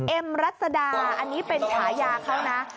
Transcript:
เอ็มรัสดาอันนี้เป็นขายาเขานะ